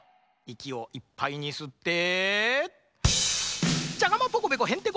いきをいっぱいにすって。